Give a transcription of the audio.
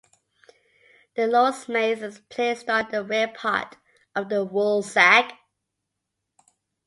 The Lords' Mace is placed on the rear part of the Woolsack.